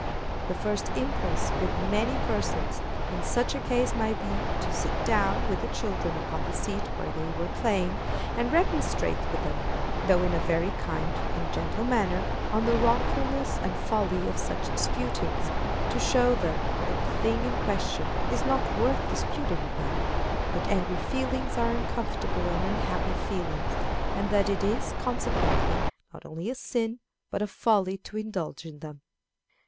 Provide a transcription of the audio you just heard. The first impulse with many persons in such a case might be to sit down with the children upon the seat where they were playing, and remonstrate with them, though in a very kind and gentle manner, on the wrongfulness and folly of such disputings, to show them that the thing in question is not worth disputing about, that angry feelings are uncomfortable and unhappy feelings, and that it is, consequently, not only a sin, but a folly to indulge in them.